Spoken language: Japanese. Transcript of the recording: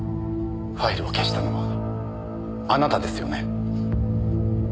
ファイルを消したのはあなたですよね？